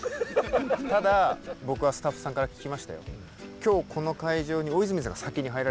ただ僕はスタッフさんから聞きましたよ。